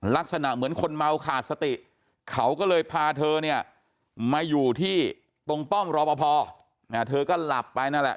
ลักษณะเหมือนคนเมาขาดสติเขาก็เลยพาเธอเนี่ยมาอยู่ที่ตรงป้อมรอปภเธอก็หลับไปนั่นแหละ